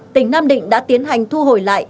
tỉnh nam định đã tiến hành thu hồi lại